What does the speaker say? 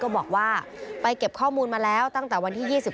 ก็บอกว่าไปเก็บข้อมูลมาแล้ว